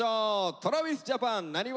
ＴｒａｖｉｓＪａｐａｎなにわ